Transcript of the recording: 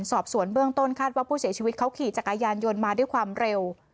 สอบสวนเบื้องต้นคาดว่าผู้เสียชีวิตเขาขี่จักรยานยนต์มาด้วยความเร็ว